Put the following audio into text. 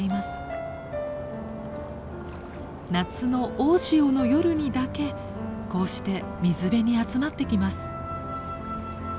夏の大潮の夜にだけこうして水辺に集まってきます。